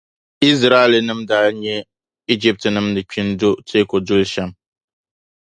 Izraɛlnim’ daa nya Ijiptinim’ ni kpi n-do teeku duli shɛm.